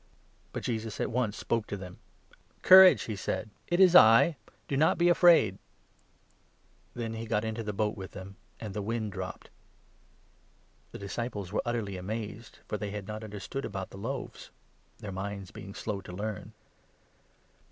But Jesus at once spoke to them. " Courage !" he said, " it is I ; do not be afraid !" Then he got into the boat with them, and the wind dropped. 51 The disciples were utterly amazed, for they had not under 52 stood about the loaves, their minds being slow to learn.